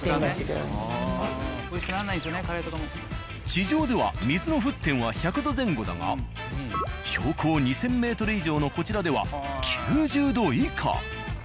地上では水の沸点は１００℃前後だが標高２０００ｍ以上のこちらでは９０℃以下。